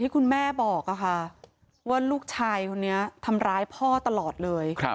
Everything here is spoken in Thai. คุณแม่บอกว่าลูกชายคนนี้ทำร้ายพ่อตลอดเลย